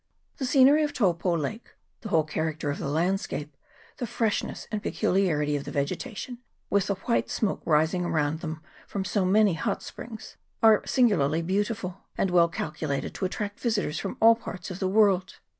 The scenery of Taupo lake, the whole character of the landscape, the freshness and peculiarity of the vegetation, with the white smoke rising around from so many hot springs, are singularly beautiful, and well calculated to attract visitors from all parts of the world.